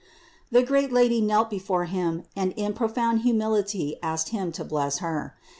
306. The great Lady knelt before him and in pro found humility asked him to bless Her.